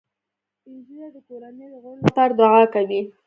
سپین ږیری د کورنۍ د غړو لپاره دعا کوي